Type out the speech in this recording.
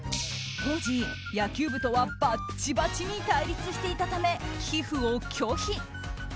当時、野球部とはバッチバチに対立していたため寄付を拒否。